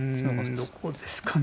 どこですかね。